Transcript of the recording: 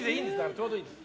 ちょうどいいです。